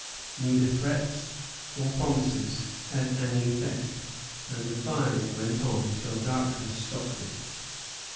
Neither threats nor promises had any effect, and the firing went on till darkness stopped it.